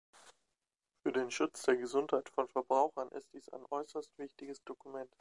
Für den Schutz der Gesundheit von Verbrauchern ist dies ein äußerst wichtiges Dokument.